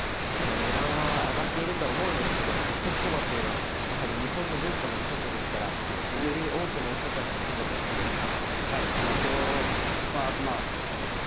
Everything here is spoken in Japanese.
値段は上がっていると思うんですけれども、年越しそばというのは、やはり日本の文化の一つですから、より多くの人たちに食べてほしいですよね。